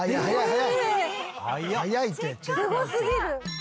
すごすぎる！